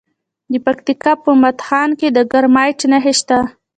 د پکتیکا په متا خان کې د کرومایټ نښې شته.